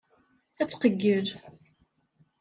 Ad tqeyyel.